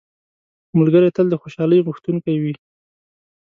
ملګری تل د خوشحالۍ غوښتونکی وي